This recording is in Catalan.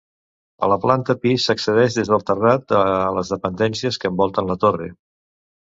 A la planta pis s'accedeix des del terrat de les dependències que envolten la torre.